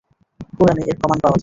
কুরআনে এর প্রমাণ পাওয়া যায়।